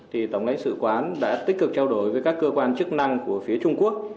thì tổng lãnh sự quán đã tích cực trao đổi với các cơ quan chức năng của phía trung quốc